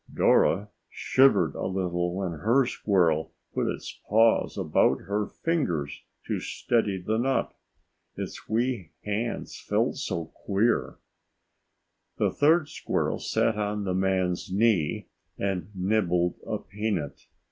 Dora shivered a little when her squirrel put its paws about her fingers to steady the nut. Its wee hands felt so queer! The third squirrel sat on the man's knee and nibbled a peanut.